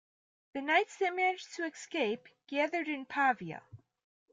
The knights that managed to escape gathered in Pavia.